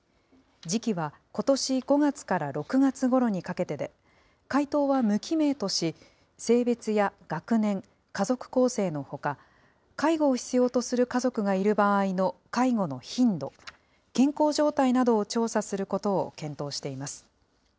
時期はことし５月から６月ごろにかけてで、回答は無記名とし、性別や学年、家族構成のほか、介護を必要とする家族がいる場合の介護の頻度、健康状態などを調査することを検討しています。